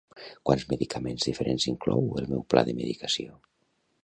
Quants medicaments diferents inclou el meu pla de medicació?